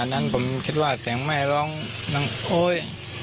นั้นผมคิดว่าเสียงแม่ร้องดังโอ๊ย